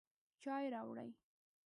چای راوړئ